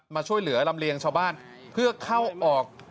มาช่วยเหลือลำเลียงชาวบ้านเพื่อเข้าออก